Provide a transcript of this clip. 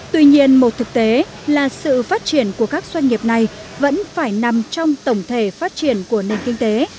tuy nhiên một thực tế là sự phát triển của các doanh nghiệp này vẫn phải nằm trong tổng thể phát triển của nền kinh tế